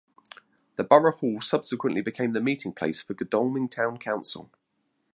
The borough hall subsequently became the meeting place for Godalming Town Council.